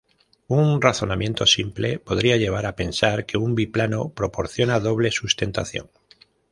Un razonamiento simple podría llevar a pensar que un biplano proporciona doble sustentación.